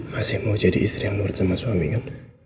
masih mau jadi istri yang murid sama suaminya